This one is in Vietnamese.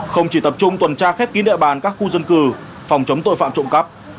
không chỉ tập trung tuần tra khép kín địa bàn các khu dân cư phòng chống tội phạm trộm cắp